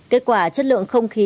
kết quả chất lượng không khí